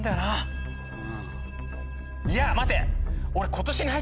いや待て！